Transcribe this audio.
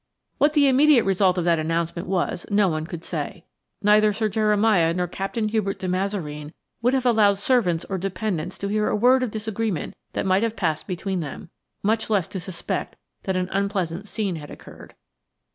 What the immediate result of that announcement was no one could say. Neither Sir Jeremiah nor Captain Hubert de Mazareen would have allowed servants or dependents to hear a word of disagreement that might have passed between them, much less to suspect that an unpleasant scene had occurred.